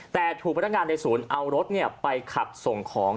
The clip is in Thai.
แต่ถูกพนักงานในศูนย์เอารถไปขับส่งของ